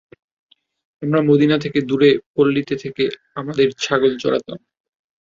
আমরা মদীনা থেকে দূরে পল্লীতে থেকে আমাদের ছাগল চড়াতাম।